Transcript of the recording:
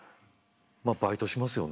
まあバイトしますよね。